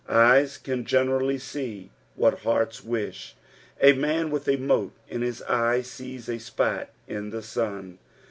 Eyes can generally see what hearts wish. A man with a mote in his eye sees a spot in the sun.